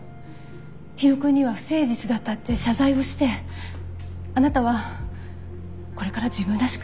火野くんには不誠実だったって謝罪をしてあなたはこれから自分らしく生きていきますって。